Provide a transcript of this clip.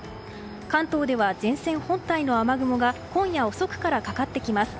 関東では前線本体の雨雲が今夜遅くからかかってきます。